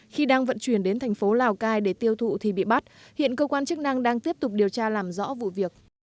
khi đang vận chuyển đến thành phố lào cai để tiêu thụ thì bị bắt hiện cơ quan chức năng đang tiếp tục điều tra làm rõ vụ việc